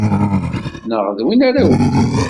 Neɣ d win ara wten.